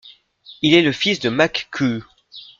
Il est le fils de Mạc Cửu.